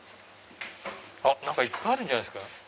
いっぱいあるんじゃないですか。